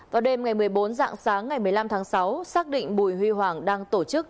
vào đêm ngày một mươi bốn dạng sáng ngày một mươi năm tháng sáu xác định bùi huy hoàng đang tổ chức